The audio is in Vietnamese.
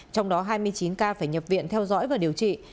trong đó hai mươi chín ca phải nhập viện theo dõi và điều trị